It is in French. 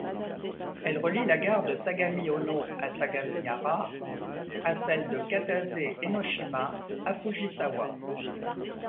Elle relie la gare de Sagami-Ōno à Sagamihara à celle de Katase-Enoshima à Fujisawa.